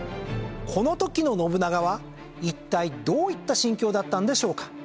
この時の信長は一体どういった心境だったんでしょうか？